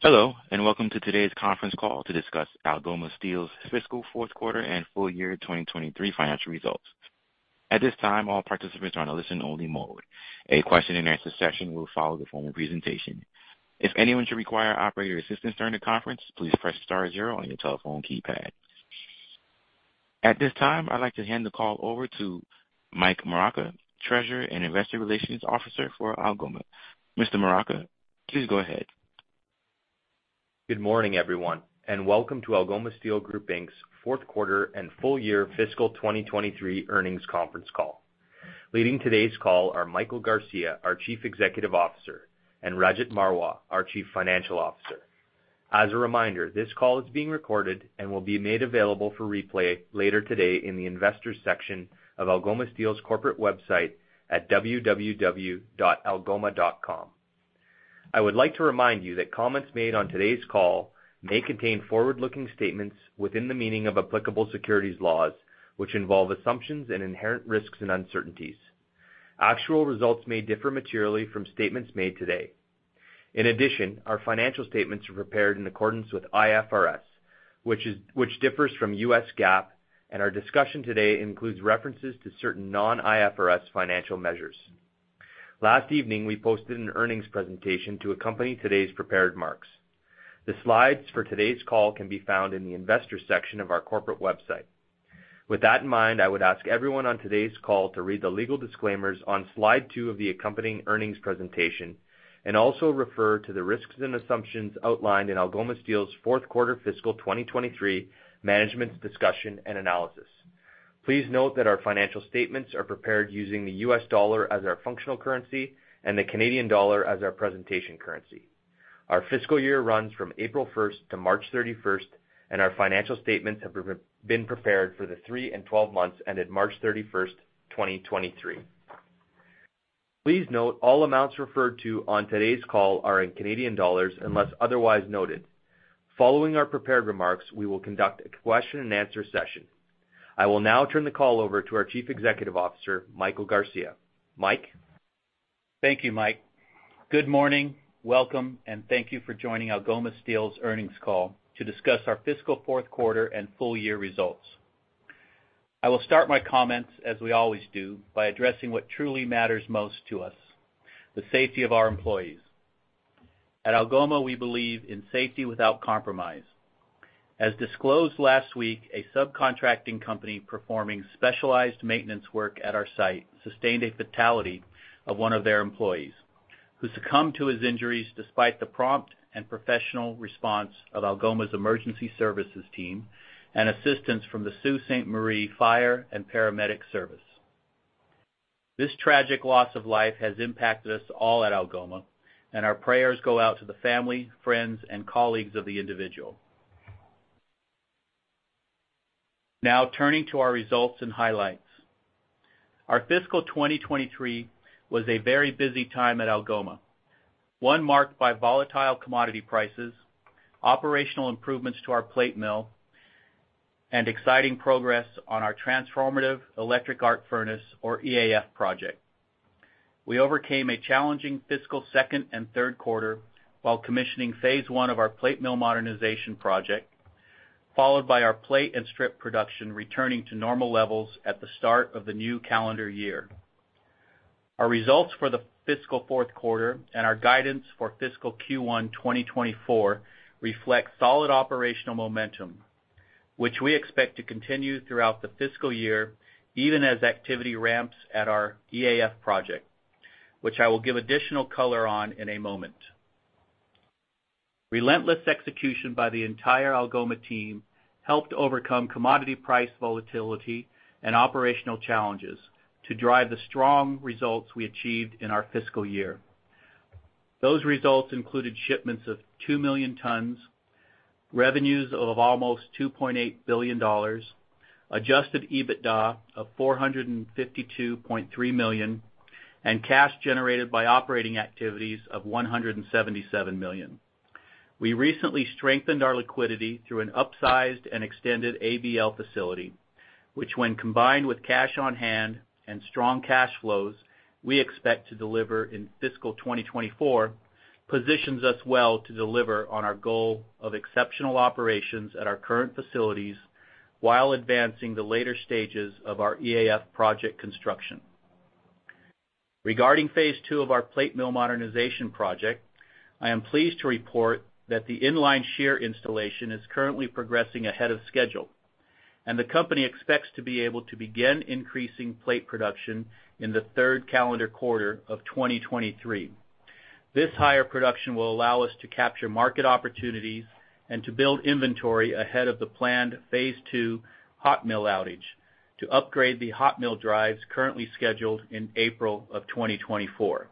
Hello, and welcome to today's conference call to discuss Algoma Steel's Fiscal Fourth Quarter and Full Year 2023 Financial Results. At this time, all participants are on a listen-only mode. A question-and-answer session will follow the formal presentation. If anyone should require operator assistance during the conference, please press star zero on your telephone keypad. At this time, I'd like to hand the call over to Michael Moraca, Treasurer and Investor Relations Officer for Algoma. Mr. Moraca, please go ahead. Good morning, everyone, and welcome to Algoma Steel Group Inc.'s fourth quarter and full year fiscal 2023 earnings conference call. Leading today's call are Michael Garcia, our Chief Executive Officer, and Rajat Marwah, our Chief Financial Officer. As a reminder, this call is being recorded and will be made available for replay later today in the Investors section of Algoma Steel's corporate website at www.algoma.com. I would like to remind you that comments made on today's call may contain forward-looking statements within the meaning of applicable securities laws, which involve assumptions and inherent risks and uncertainties. Actual results may differ materially from statements made today. In addition, our financial statements are prepared in accordance with IFRS, which differs from U.S. GAAP, and our discussion today includes references to certain non-IFRS financial measures. Last evening, we posted an earnings presentation to accompany today's prepared marks. The slides for today's call can be found in the Investors section of our corporate website. With that in mind, I would ask everyone on today's call to read the legal disclaimers on slide two of the accompanying earnings presentation, and also refer to the risks and assumptions outlined in Algoma Steel's fourth quarter fiscal 2023 management's discussion and analysis. Please note that our financial statements are prepared using the U.S. dollar as our functional currency and the Canadian dollar as our presentation currency. Our fiscal year runs from April first to March 31st, and our financial statements have been prepared for the three and 12 months ended March 31st, 2023. Please note, all amounts referred to on today's call are in Canadian dollars, unless otherwise noted. Following our prepared remarks, we will conduct a question-and-answer session. I will now turn the call over to our Chief Executive Officer, Michael Garcia. Mike? Thank you, Mike. Good morning, welcome, and thank you for joining Algoma Steel's earnings call to discuss our fiscal fourth quarter and full year results. I will start my comments, as we always do, by addressing what truly matters most to us, the safety of our employees. At Algoma, we believe in safety without compromise. As disclosed last week, a subcontracting company performing specialized maintenance work at our site sustained a fatality of one of their employees, who succumbed to his injuries despite the prompt and professional response of Algoma's emergency services team and assistance from the Sault Ste. Marie Fire and Paramedic Service. This tragic loss of life has impacted us all at Algoma. Our prayers go out to the family, friends, and colleagues of the individual. Turning to our results and highlights. Our fiscal 2023 was a very busy time at Algoma, one marked by volatile commodity prices, operational improvements to our plate mill, and exciting progress on our transformative electric arc furnace, or EAF, project. We overcame a challenging fiscal second and third quarter while commissioning Phase 1 of our plate mill modernization project, followed by our plate and strip production returning to normal levels at the start of the new calendar year. Our results for the fiscal fourth quarter and our guidance for fiscal Q1 2024 reflect solid operational momentum, which we expect to continue throughout the fiscal year, even as activity ramps at our EAF project, which I will give additional color on in a moment. Relentless execution by the entire Algoma team helped overcome commodity price volatility and operational challenges to drive the strong results we achieved in our fiscal year. Those results included shipments of 2 million tons, revenues of almost $2.8 billion, adjusted EBITDA of $452.3 million, and cash generated by operating activities of $177 million. We recently strengthened our liquidity through an upsized and extended ABL facility, which, when combined with cash on hand and strong cash flows we expect to deliver in fiscal 2024, positions us well to deliver on our goal of exceptional operations at our current facilities while advancing the later stages of our EAF project construction. Regarding Phase 2 of our plate mill modernization project, I am pleased to report that the inline shear installation is currently progressing ahead of schedule, and the company expects to be able to begin increasing plate production in the third calendar quarter of 2023. This higher production will allow us to capture market opportunities and to build inventory ahead of the planned Phase 2 hot mill outage to upgrade the hot mill drives currently scheduled in April of 2024.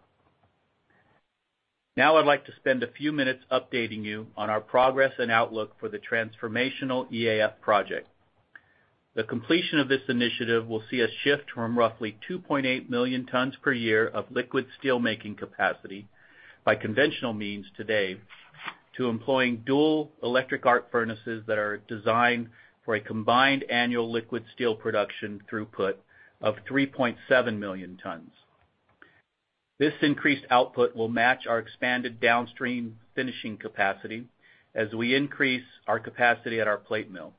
I'd like to spend a few minutes updating you on our progress and outlook for the transformational EAF project. The completion of this initiative will see a shift from roughly 2.8 million tons per year of liquid steelmaking capacity by conventional means today to employing dual electric arc furnaces that are designed for a combined annual liquid steel production throughput of 3.7 million tons. This increased output will match our expanded downstream finishing capacity as we increase our capacity at our plate mill,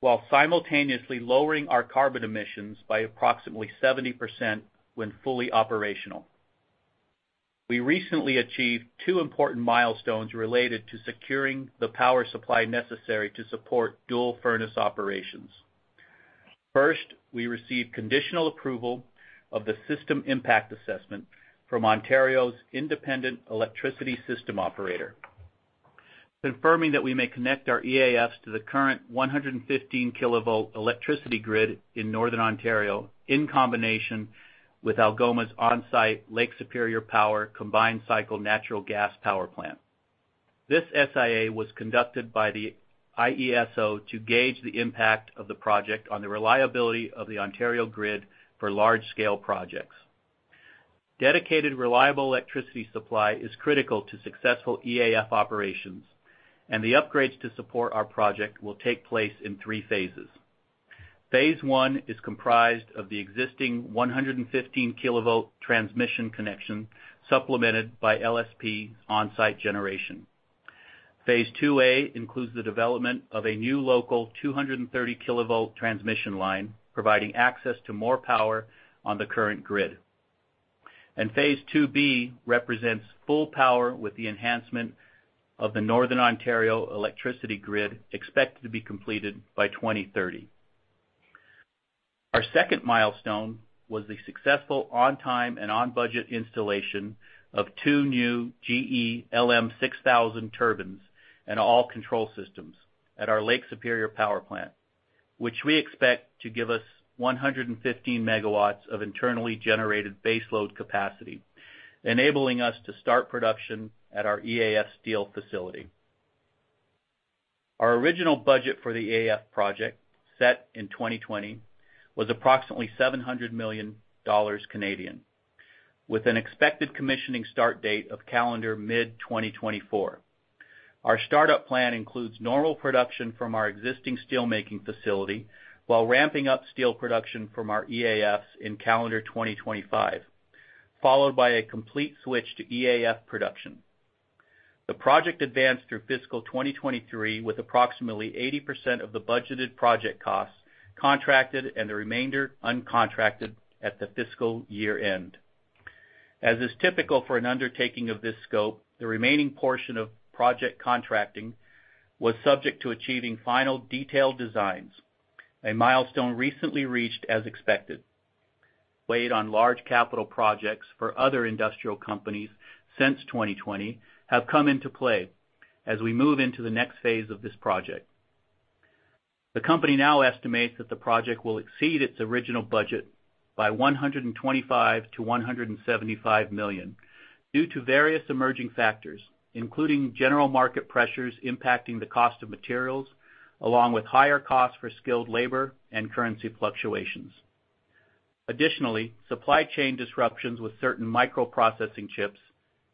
while simultaneously lowering our carbon emissions by approximately 70% when fully operational. We recently achieved two important milestones related to securing the power supply necessary to support dual furnace operations. First, we received conditional approval of the System Impact Assessment from Ontario's Independent Electricity System Operator, confirming that we may connect our EAFs to the current 115 kilovolt electricity grid in northern Ontario, in combination with Algoma's on-site Lake Superior Power combined cycle natural gas power plant. This SIA was conducted by the IESO to gauge the impact of the project on the reliability of the Ontario grid for large-scale projects. Dedicated, reliable electricity supply is critical to successful EAF operations. The upgrades to support our project will take place in three phases. Phase 1 is comprised of the existing 115 kilovolt transmission connection, supplemented by LSP on-site generation. Phase 2 A includes the development of a new local 230 kilovolt transmission line, providing access to more power on the current grid. Phase 2 B represents full power with the enhancement of the Northern Ontario electricity grid, expected to be completed by 2030. Our second milestone was the successful on-time and on-budget installation of two new GE LM6000 turbines and all control systems at our Lake Superior Power plant, which we expect to give us 115 megawatts of internally generated baseload capacity, enabling us to start production at our EAF steel facility. Our original budget for the EAF project, set in 2020, was approximately 700 million Canadian dollars, with an expected commissioning start date of calendar mid-2024. Our startup plan includes normal production from our existing steelmaking facility, while ramping up steel production from our EAFs in calendar 2025, followed by a complete switch to EAF production. The project advanced through fiscal 2023, with approximately 80% of the budgeted project costs contracted and the remainder uncontracted at the fiscal year-end. As is typical for an undertaking of this scope, the remaining portion of project contracting was subject to achieving final detailed designs, a milestone recently reached as expected. Laid on large capital projects for other industrial companies since 2020, have come into play as we move into the next phase of this project. The company now estimates that the project will exceed its original budget by 125 million-175 million due to various emerging factors, including general market pressures impacting the cost of materials, along with higher costs for skilled labor and currency fluctuations. Additionally, supply chain disruptions with certain microprocessing chips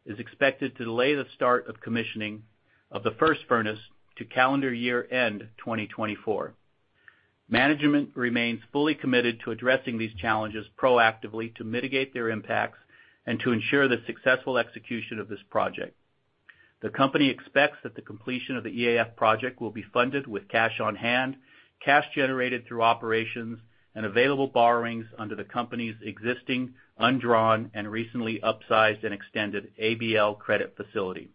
is expected to delay the start of commissioning of the first furnace to calendar year end 2024. Management remains fully committed to addressing these challenges proactively to mitigate their impacts and to ensure the successful execution of this project. The company expects that the completion of the EAF project will be funded with cash on hand, cash generated through operations, and available borrowings under the company's existing, undrawn, and recently upsized and extended ABL credit facility.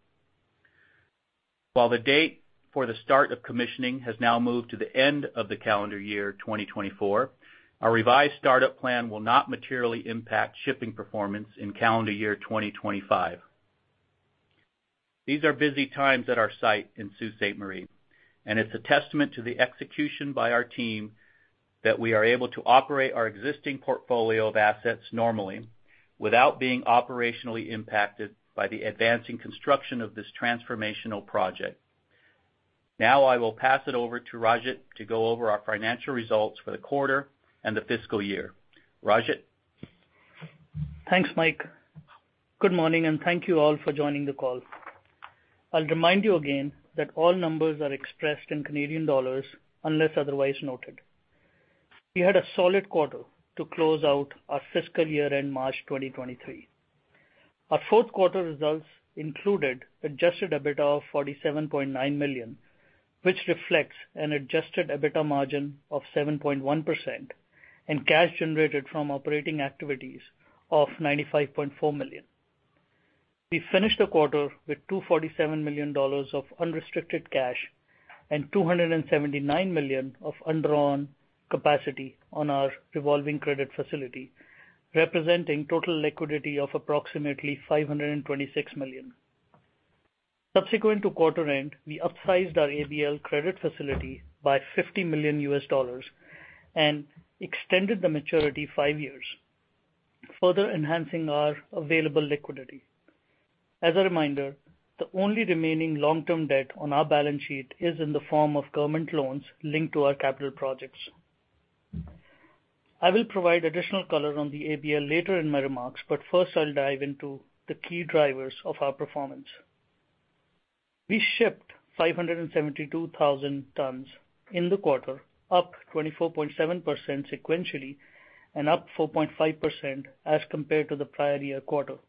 While the date for the start of commissioning has now moved to the end of the calendar year 2024, our revised startup plan will not materially impact shipping performance in calendar year 2025. These are busy times at our site in Sault Ste. Marie, and it's a testament to the execution by our team that we are able to operate our existing portfolio of assets normally, without being operationally impacted by the advancing construction of this transformational project. I will pass it over to Rajat to go over our financial results for the quarter and the fiscal year. Rajat? Thanks, Mike. Good morning, and thank you all for joining the call. I'll remind you again that all numbers are expressed in Canadian dollars, unless otherwise noted. We had a solid quarter to close out our fiscal year end March 2023. Our fourth quarter results included adjusted EBITDA of 47.9 million, which reflects an adjusted EBITDA margin of 7.1% and cash generated from operating activities of 95.4 million. We finished the quarter with 247 million dollars of unrestricted cash and 279 million of undrawn capacity on our revolving credit facility, representing total liquidity of approximately 526 million. Subsequent to quarter end, we upsized our ABL credit facility by $50 million and extended the maturity five years, further enhancing our available liquidity. As a reminder, the only remaining long-term debt on our balance sheet is in the form of government loans linked to our capital projects. First, I'll dive into the key drivers of our performance. We shipped 572,000 tons in the quarter, up 24.7% sequentially and up 4.5% as compared to the prior year quarter.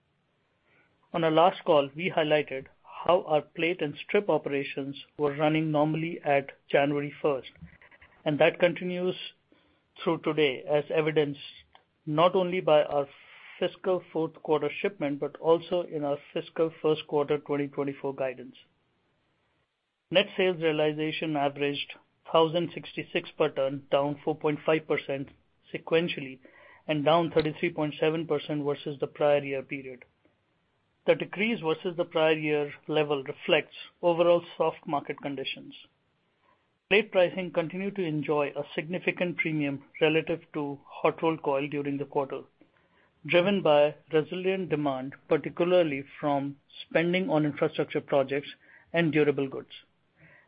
On our last call, we highlighted how our plate and strip operations were running normally at January first, and that continues through today, as evidenced not only by our fiscal fourth quarter shipment, but also in our fiscal first quarter 2024 guidance. Net sales realization averaged 1,066 per ton, down 4.5% sequentially, and down 33.7% versus the prior year period. The decrease versus the prior year level reflects overall soft market conditions. Plate pricing continued to enjoy a significant premium relative to hot rolled coil during the quarter, driven by resilient demand, particularly from spending on infrastructure projects and durable goods.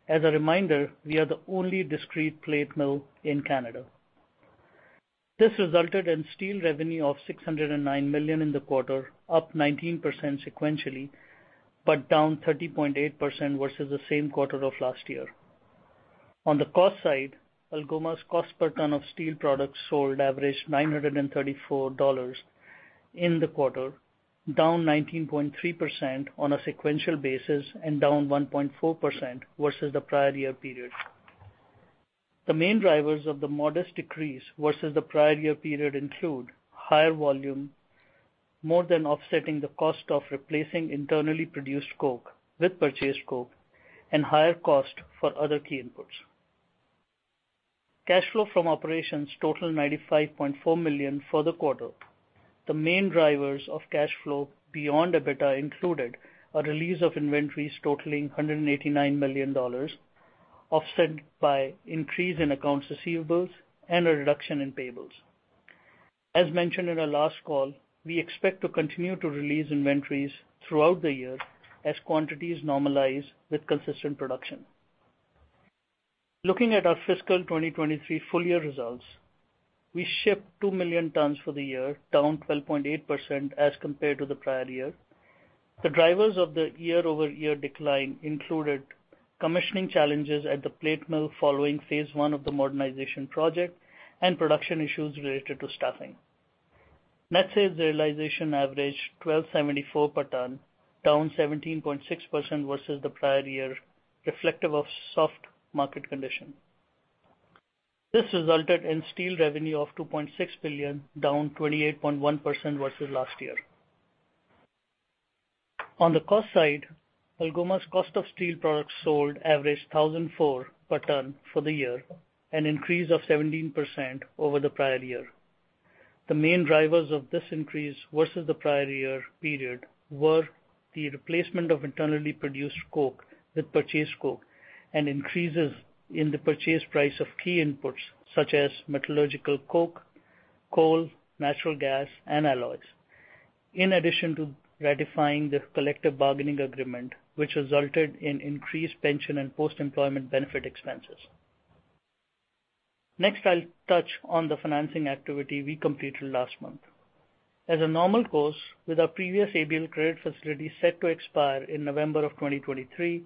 As a reminder, we are the only discrete plate mill in Canada. This resulted in steel revenue of 609 million in the quarter, up 19% sequentially, down 30.8% versus the same quarter of last year. On the cost side, Algoma's cost per ton of steel products sold averaged 934 dollars in the quarter, down 19.3% on a sequential basis and down 1.4% versus the prior year period. The main drivers of the modest decrease versus the prior year period include higher volume, more than offsetting the cost of replacing internally produced coke with purchased coke and higher cost for other key inputs. Cash flow from operations totaled 95.4 million for the quarter. The main drivers of cash flow beyond EBITDA included a release of inventories totaling 189 million dollars, offset by increase in accounts receivables and a reduction in payables. As mentioned in our last call, we expect to continue to release inventories throughout the year as quantities normalize with consistent production. Looking at our fiscal 2023 full year results, we shipped 2 million tons for the year, down 12.8% as compared to the prior year. The drivers of the year-over-year decline included commissioning challenges at the plate mill following Phase 1 of the modernization project and production issues related to staffing. Net sales realization averaged $1,274 per ton, down 17.6% versus the prior year, reflective of soft market condition. This resulted in steel revenue of $2.6 billion, down 28.1% versus last year. On the cost side, Algoma's cost of steel products sold averaged $1,004 per ton for the year, an increase of 17% over the prior year. The main drivers of this increase versus the prior year period were the replacement of internally produced coke with purchased coke and increases in the purchase price of key inputs such as metallurgical coke, coal, natural gas, and alloys. In addition to ratifying the collective bargaining agreement, which resulted in increased pension and post-employment benefit expenses. Next, I'll touch on the financing activity we completed last month. As a normal course, with our previous ABL credit facility set to expire in November 2023,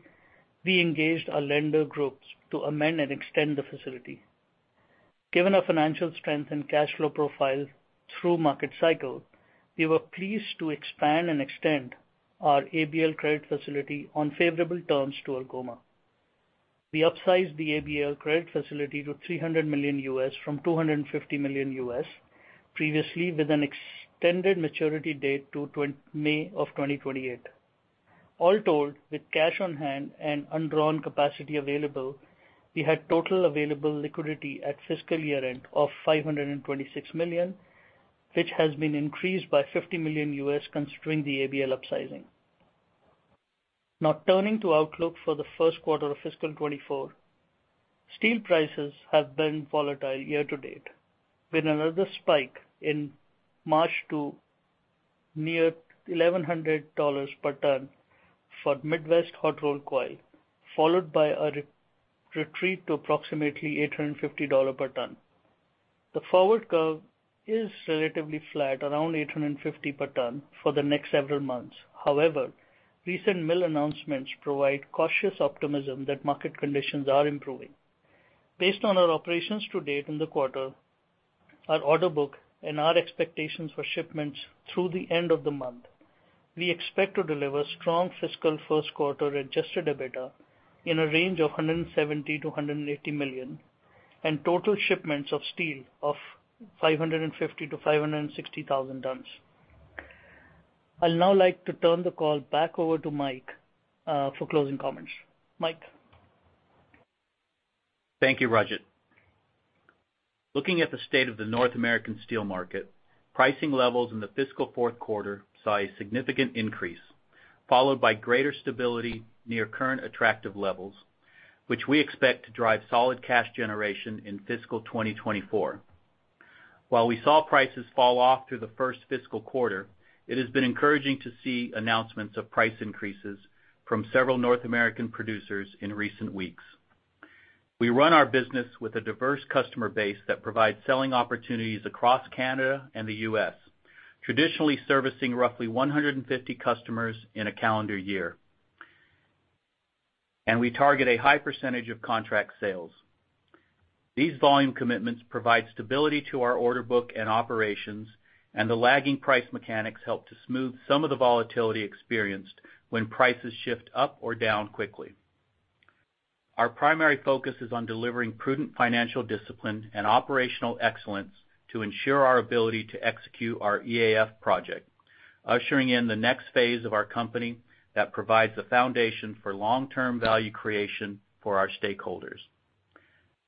we engaged our lender groups to amend and extend the facility. Given our financial strength and cash flow profile through market cycle, we were pleased to expand and extend our ABL credit facility on favorable terms to Algoma. We upsized the ABL credit facility to $300 million from $250 million previously, with an extended maturity date to May 2028. All told, with cash on hand and undrawn capacity available, we had total available liquidity at fiscal year-end of $526 million, which has been increased by $50 million, considering the ABL upsizing. Now, turning to outlook for the first quarter of fiscal 2024. Steel prices have been volatile year-to-date, with another spike in March to near $1,100 per ton for Midwest hot-rolled coil, followed by a re-retreat to approximately $850 per ton. The forward curve is relatively flat, around $850 per ton for the next several months. Recent mill announcements provide cautious optimism that market conditions are improving. Based on our operations to date in the quarter, our order book, and our expectations for shipments through the end of the month, we expect to deliver strong fiscal first quarter adjusted EBITDA in a range of $170 million-$180 million, and total shipments of steel of 550,000-560,000 tons. I'd now like to turn the call back over to Mike for closing comments. Mike? Thank you, Rajat. Looking at the state of the North American steel market, pricing levels in the fiscal fourth quarter saw a significant increase, followed by greater stability near current attractive levels, which we expect to drive solid cash generation in fiscal 2024. While we saw prices fall off through the first fiscal quarter, it has been encouraging to see announcements of price increases from several North American producers in recent weeks. We run our business with a diverse customer base that provides selling opportunities across Canada and the U.S., traditionally servicing roughly 150 customers in a calendar year. We target a high percentage of contract sales. These volume commitments provide stability to our order book and operations, and the lagging price mechanics help to smooth some of the volatility experienced when prices shift up or down quickly. Our primary focus is on delivering prudent financial discipline and operational excellence to ensure our ability to execute our EAF project, ushering in the next phase of our company that provides a foundation for long-term value creation for our stakeholders.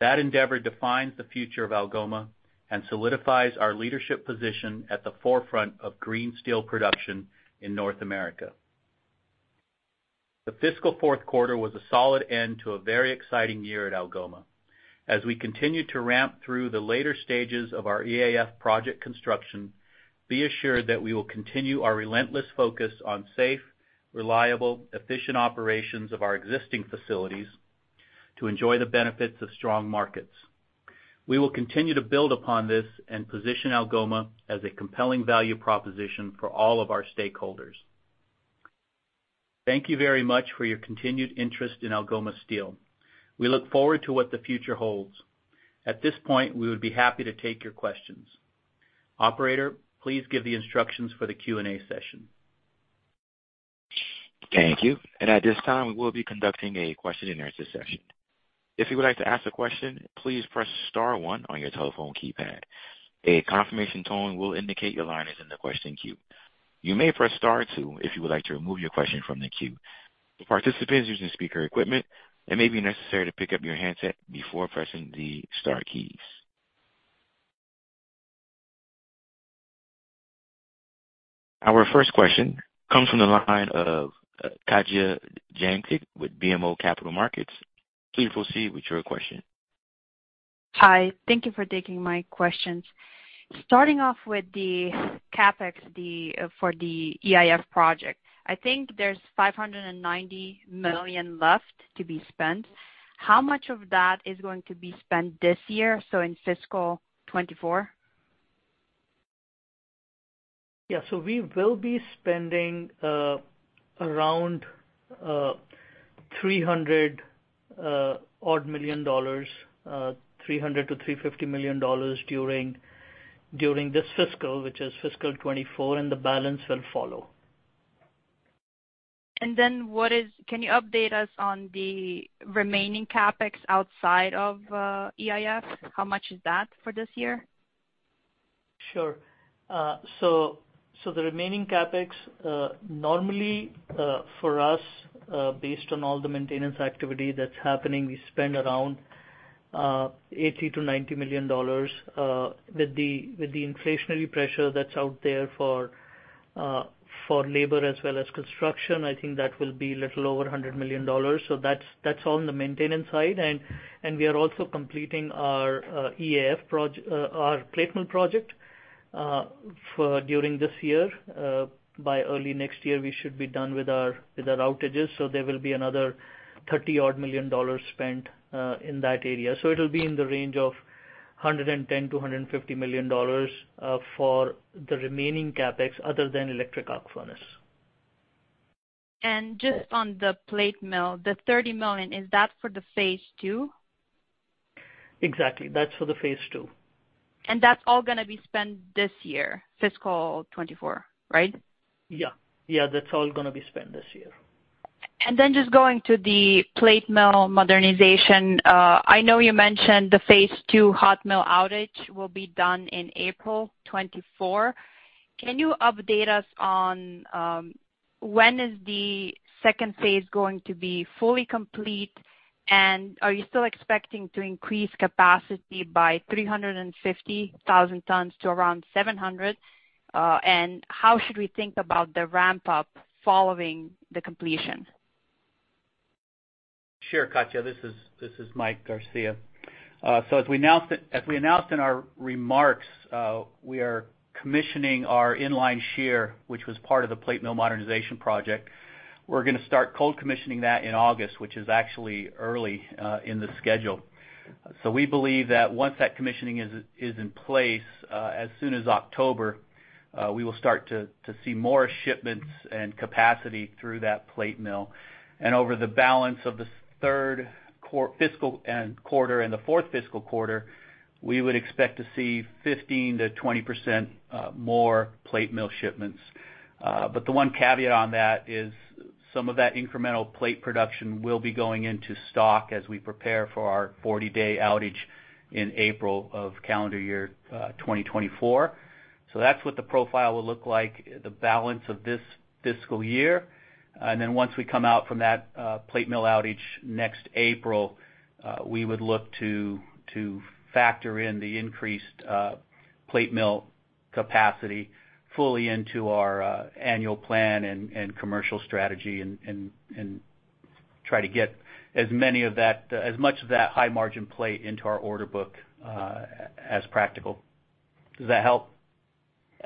That endeavor defines the future of Algoma and solidifies our leadership position at the forefront of green steel production in North America. The fiscal fourth quarter was a solid end to a very exciting year at Algoma. As we continue to ramp through the later stages of our EAF project construction, be assured that we will continue our relentless focus on safe, reliable, efficient operations of our existing facilities to enjoy the benefits of strong markets. We will continue to build upon this and position Algoma as a compelling value proposition for all of our stakeholders. Thank you very much for your continued interest in Algoma Steel. We look forward to what the future holds. At this point, we would be happy to take your questions. Operator, please give the instructions for the Q&A session. Thank you. At this time, we will be conducting a question and answer session. If you would like to ask a question, please press star one on your telephone keypad. A confirmation tone will indicate your line is in the question queue. You may press star two if you would like to remove your question from the queue. Participants using speaker equipment, it may be necessary to pick up your handset before pressing the star keys. Our first question comes from the line of Katja Jancic with BMO Capital Markets. Please proceed with your question. Hi, thank you for taking my questions. Starting off with the CapEx, the for the EAF project, I think there's 590 million left to be spent. How much of that is going to be spent this year, so in fiscal 2024? We will be spending around $300 odd million, $300 million-$350 million during this fiscal, which is fiscal 2024, and the balance will follow. Can you update us on the remaining CapEx outside of EAF? How much is that for this year? Sure. So the remaining CapEx, normally, for us, based on all the maintenance activity that's happening, we spend around 80 million-90 million dollars. With the inflationary pressure that's out there for labor as well as construction, I think that will be a little over 100 million dollars. That's on the maintenance side. We are also completing our plate mill project during this year. By early next year, we should be done with our outages. There will be another 30 million dollars spent in that area. It'll be in the range of 110 million-150 million dollars for the remaining CapEx, other than electric arc furnace. Just on the plate mill, the 30 million, is that for the Phase 2? Exactly, that's for the Phase 2. That's all gonna be spent this year, fiscal 2024, right? Yeah. Yeah, that's all gonna be spent this year. Just going to the plate mill modernization. I know you mentioned the Phase 2 hot mill outage will be done in April 2024. Can you update us on when is the second phase going to be fully complete? Are you still expecting to increase capacity by 350,000 tons to around 700,000 tons? How should we think about the ramp-up following the completion? Sure, Katja, this is Mike Garcia. As we announced in our remarks, we are commissioning our inline shear, which was part of the plate mill modernization project. We're gonna start cold commissioning that in August, which is actually early in the schedule. We believe that once that commissioning is in place, as soon as October, we will start to see more shipments and capacity through that plate mill. Over the balance of the third fiscal quarter and the fourth fiscal quarter, we would expect to see 15%-20% more plate mill shipments. The one caveat on that is some of that incremental plate production will be going into stock as we prepare for our 40-day outage in April of calendar year 2024. That's what the profile will look like, the balance of this fiscal year. Once we come out from that, plate mill outage next April, we would look to factor in the increased plate mill capacity fully into our annual plan and commercial strategy and try to get as much of that high-margin plate into our order book as practical. Does that help?...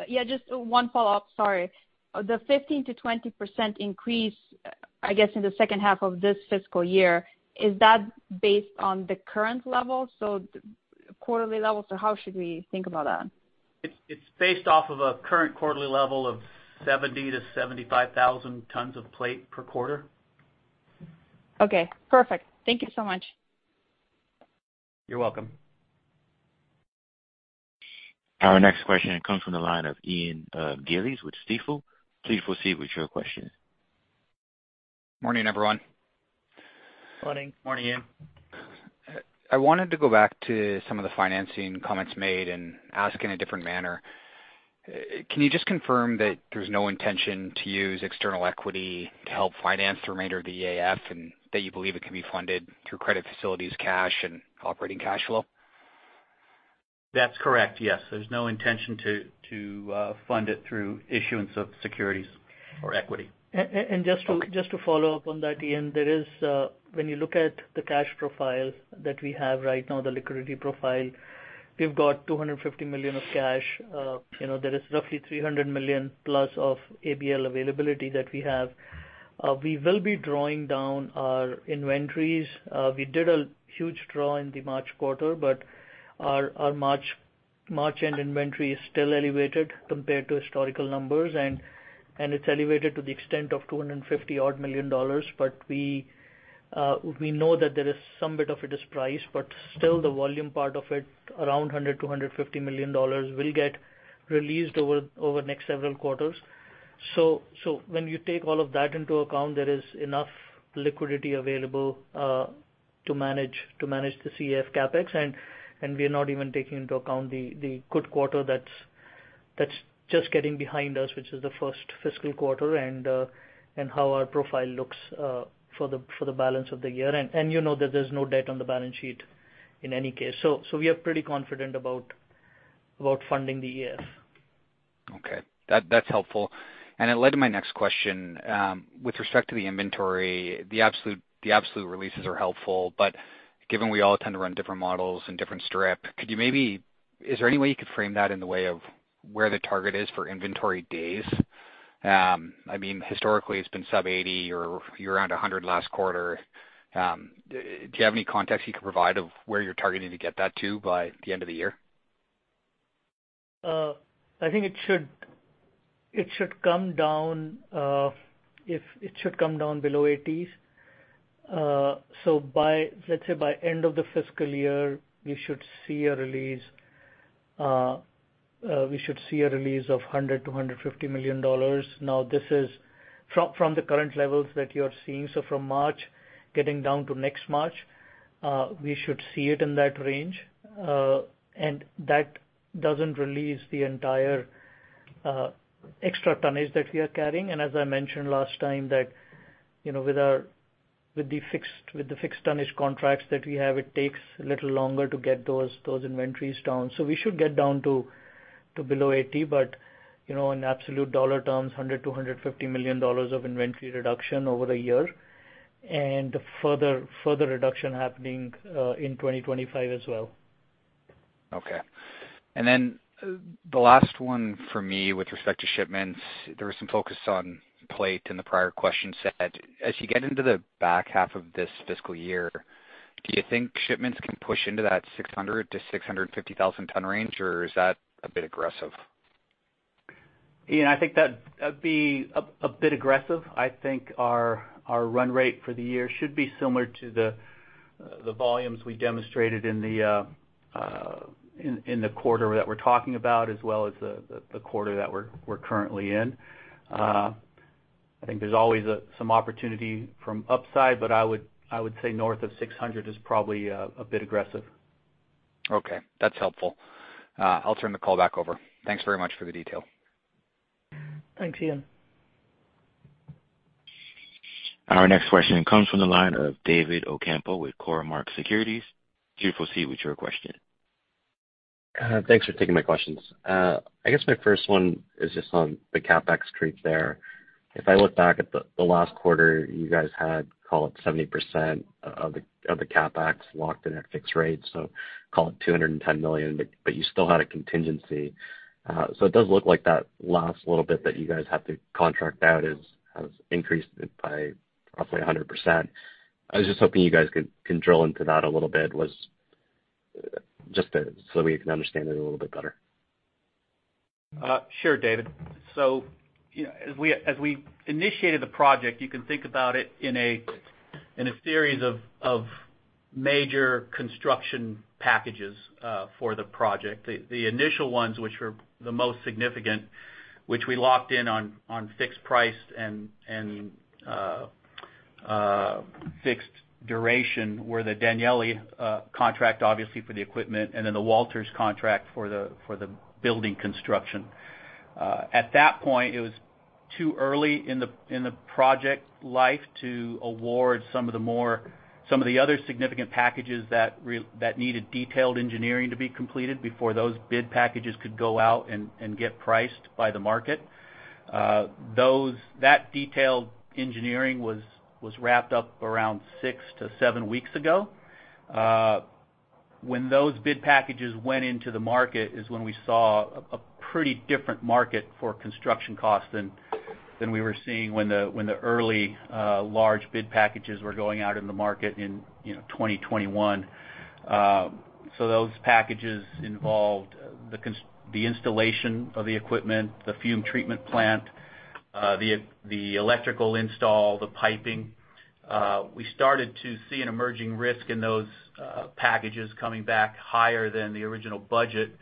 yeah, just one follow-up. Sorry. The 15%-20% increase, I guess, in the second half of this fiscal year, is that based on the current level, so quarterly level, so how should we think about that? It's based off of a current quarterly level of 70,000-75,000 tons of plate per quarter. Okay, perfect. Thank you so much. You're welcome. Our next question comes from the line of Ian Gillies with Stifel. Please proceed with your question. Morning, everyone. Morning. Morning, Ian. I wanted to go back to some of the financing comments made and ask in a different manner. Can you just confirm that there's no intention to use external equity to help finance the remainder of the EAF, and that you believe it can be funded through credit facilities, cash, and operating cash flow? That's correct. Yes. There's no intention to fund it through issuance of securities or equity. Just to follow up on that, Ian, there is, when you look at the cash profile that we have right now, the liquidity profile, we've got 250 million of cash. You know, there is roughly 300 million+ of ABL availability that we have. We will be drawing down our inventories. We did a huge draw in the March quarter, but our March end inventory is still elevated compared to historical numbers, and it's elevated to the extent of 250 odd million. We know that there is some bit of a disprice, but still the volume part of it, around 100 million-150 million dollars, will get released over the next several quarters. When you take all of that into account, there is enough liquidity available to manage the EAF CapEx, and we are not even taking into account the good quarter that's just getting behind us, which is the first fiscal quarter, and how our profile looks for the balance of the year. You know that there's no debt on the balance sheet in any case. We are pretty confident about funding the EAF. Okay, that's helpful. It led to my next question. With respect to the inventory, the absolute releases are helpful, but given we all tend to run different models and different strip, could you maybe is there any way you could frame that in the way of where the target is for inventory days? I mean, historically, it's been sub 80 or you're around 100 last quarter. Do you have any context you can provide of where you're targeting to get that to by the end of the year? I think it should come down, if it should come down below $80s. By, let's say by end of the fiscal year, we should see a release of $100 million-$150 million. Now, this is from the current levels that you are seeing. From March, getting down to next March, we should see it in that range. That doesn't release the entire extra tonnage that we are carrying. As I mentioned last time, that, you know, with the fixed tonnage contracts that we have, it takes a little longer to get those inventories down. We should get down to below 80, but, you know, in absolute dollar terms, $100 million-$150 million of inventory reduction over a year, and further reduction happening in 2025 as well. Okay. The last one for me with respect to shipments, there was some focus on plate in the prior question set. As you get into the back half of this fiscal year, do you think shipments can push into that 600,000-650,000 ton range, or is that a bit aggressive? Ian, I think that that'd be a bit aggressive. I think our run rate for the year should be similar to the volumes we demonstrated in the quarter that we're talking about, as well as the quarter that we're currently in. I think there's always some opportunity from upside, but I would say north of 600 is probably a bit aggressive. Okay. That's helpful. I'll turn the call back over. Thanks very much for the detail. Thanks, Ian. Our next question comes from the line of David Ocampo with Cormark Securities. Please proceed with your question. Thanks for taking my questions. I guess my first one is just on the CapEx treat there. If I look back at the last quarter, you guys had, call it 70% of the CapEx locked in at fixed rates, so call it $210 million, but you still had a contingency. It does look like that last little bit that you guys have to contract out has increased by roughly 100%. I was just hoping you guys could drill into that a little bit. Just so we can understand it a little bit better. Sure, David. You know, as we initiated the project, you can think about it in a series of major construction packages for the project. The initial ones, which were the most significant, which we locked in on fixed price and fixed duration, were the Danieli contract, obviously for the equipment, and then the Walters contract for the building construction. At that point, it was too early in the project life to award some of the more, some of the other significant packages that needed detailed engineering to be completed before those bid packages could go out and get priced by the market. Those, that detailed engineering was wrapped up around six to seven weeks ago. When those bid packages went into the market is when we saw a pretty different market for construction costs than we were seeing when the early large bid packages were going out in the market in, you know, 2021. Those packages involved the installation of the equipment, the fume treatment plant, the electrical install, the piping. We started to see an emerging risk in those packages coming back higher than the original budget.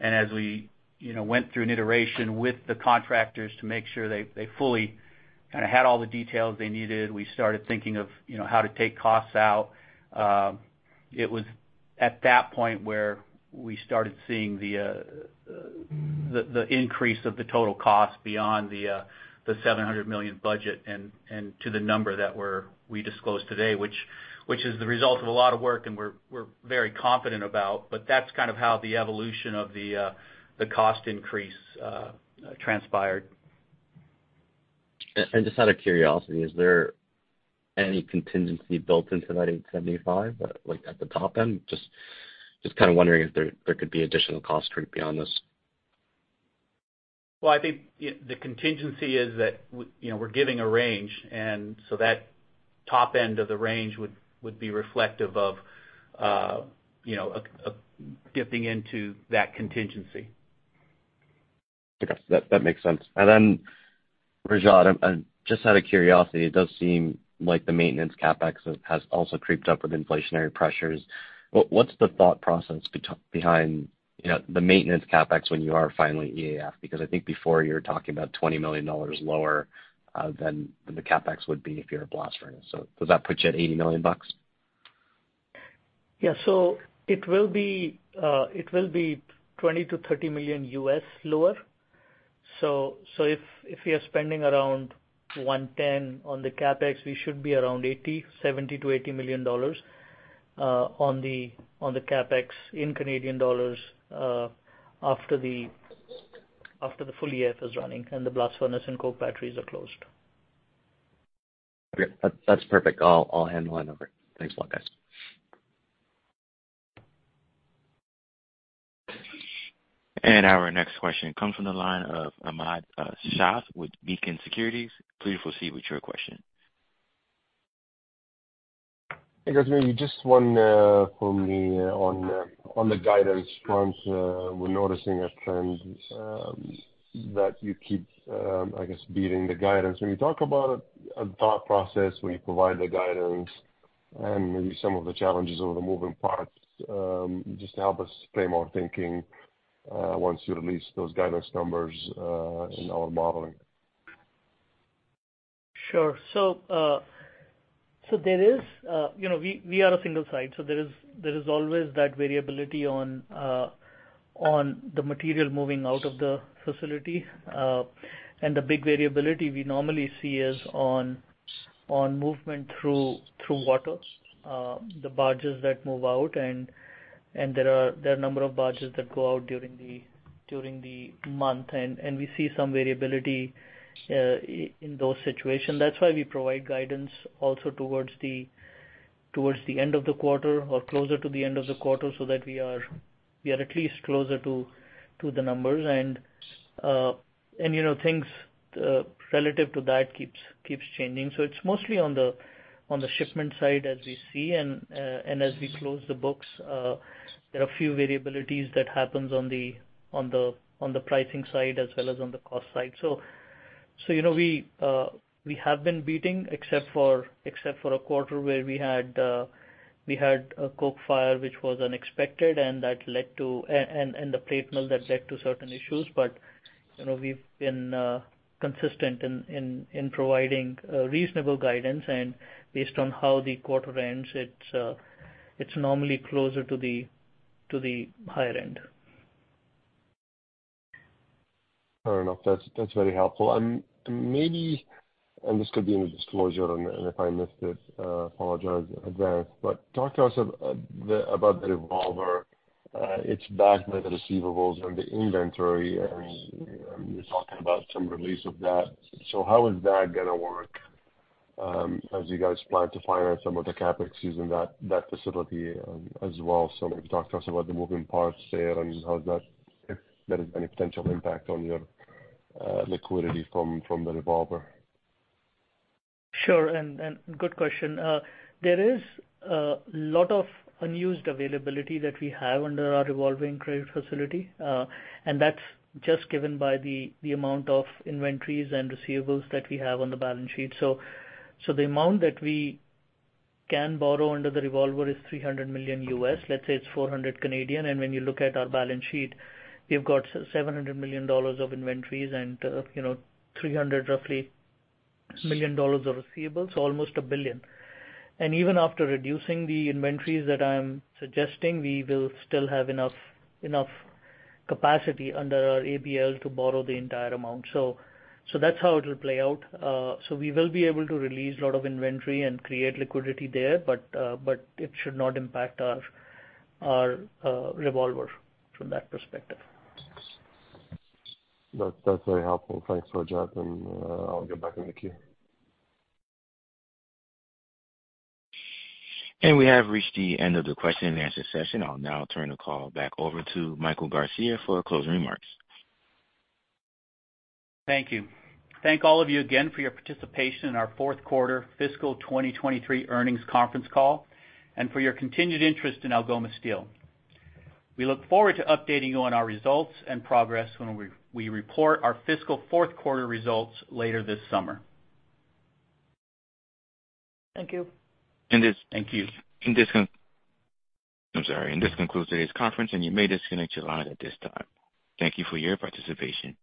As we, you know, went through an iteration with the contractors to make sure they fully kind of had all the details they needed, we started thinking of, you know, how to take costs out. It was at that point where we started seeing the increase of the total cost beyond the 700 million budget and to the number that we disclosed today, which is the result of a lot of work, and we're very confident about. That's kind of how the evolution of the cost increase transpired. Just out of curiosity, is there any contingency built into that 875, like, at the top end? Just kind of wondering if there could be additional cost creep beyond this. Well, I think the contingency is that you know, we're giving a range, that top end of the range would be reflective of, you know, a dipping into that contingency. Okay. That makes sense. Rajat, just out of curiosity, it does seem like the maintenance CapEx has also creeped up with inflationary pressures. What's the thought process behind, you know, the maintenance CapEx when you are finally EAF? Because I think before you were talking about 20 million dollars lower than the CapEx would be if you're a blast furnace. Does that put you at 80 million bucks? It will be $20 million-$30 million U.S. lower. If we are spending around 110 on the CapEx, we should be around 70 million-80 million dollars on the CapEx in Canadian dollars after the full EAF is running and the blast furnace and coke batteries are closed. Okay. That's perfect. I'll hand the line over. Thanks a lot, guys. Our next question comes from the line of Ahmad Shaath with Beacon Securities. Please proceed with your question. Hey, guys, maybe just one for me on on the guidance front. We're noticing a trend, that you keep, I guess, beating the guidance. Can you talk about a thought process when you provide the guidance and maybe some of the challenges or the moving parts, just to help us frame our thinking, once you release those guidance numbers, in our modeling? Sure. There is, you know, we are a single site, so there is always that variability on the material moving out of the facility. The big variability we normally see is on movement through water, the barges that move out, and there are a number of barges that go out during the month. We see some variability in those situations. That's why we provide guidance also towards the end of the quarter or closer to the end of the quarter, so that we are at least closer to the numbers. You know, things relative to that keeps changing. It's mostly on the shipment side, as we see. As we close the books, there are a few variabilities that happens on the pricing side as well as on the cost side. You know, we have been beating except for a quarter where we had a coke fire, which was unexpected, and the plate mill, that led to certain issues. You know, we've been consistent in providing a reasonable guidance. Based on how the quarter ends, it's normally closer to the higher end. Fair enough. That's very helpful. Maybe, and this could be in the disclosure, and if I missed it, apologize in advance. Talk to us about the revolver. It's backed by the receivables and the inventory, and you're talking about some release of that. How is that gonna work, as you guys plan to finance some of the CapEx using that facility, as well? Maybe talk to us about the moving parts there and how that, if there is any potential impact on your liquidity from the revolver. Sure. Good question. There is a lot of unused availability that we have under our revolving credit facility, and that's just given by the amount of inventories and receivables that we have on the balance sheet. The amount that we can borrow under the revolver is $300 million, let's say it's 400 million. When you look at our balance sheet, we've got 700 million dollars of inventories and, you know, 300 million dollars, roughly, of receivables, so almost 1 billion. Even after reducing the inventories that I'm suggesting, we will still have enough capacity under our ABL to borrow the entire amount. That's how it will play out. We will be able to release a lot of inventory and create liquidity there, but it should not impact our revolver from that perspective. That's very helpful. Thanks, Rajat, and I'll get back in the queue. We have reached the end of the question and answer session. I'll now turn the call back over to Michael Garcia for closing remarks. Thank you. Thank all of you again for your participation in our fourth quarter fiscal 2023 earnings conference call, and for your continued interest in Algoma Steel. We look forward to updating you on our results and progress when we report our fiscal fourth quarter results later this summer. Thank you. Thank you. I'm sorry. This concludes today's conference, and you may disconnect your line at this time. Thank you for your participation.